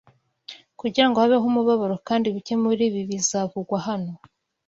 kugirango habeho umubano kandi bike muribi bizavugwa hano